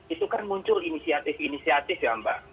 itu kan muncul inisiatif inisiatif ya mbak